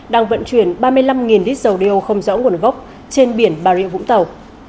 đang vận chuyển ba mươi năm lít dầu đeo không rõ nguồn gốc trên biển bà rịa vũng tàu